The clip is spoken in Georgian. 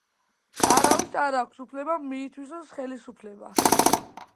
არავის არ აქვს უფლება მიითვისოს ხელისუფლება.